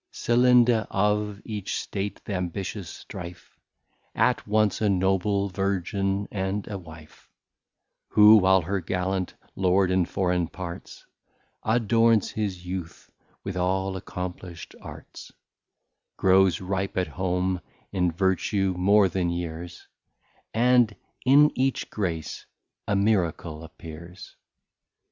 Celinda of each State th'ambitious Strife, At once a Noble Virgin, and a Wife Who, while her Gallant Lord in Forraign parts Adorns his Youth with all accomplisht Arts, Grows ripe at home in Vertue, more than Years, And in each Grace a Miracle appears!